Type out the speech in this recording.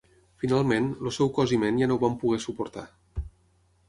Finalment, el seu cos i ment ja no ho van poder suportar.